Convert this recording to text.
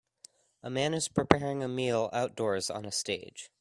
A man is preparing a meal outdoors, on a stage.